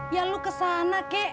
ya lu kesana kek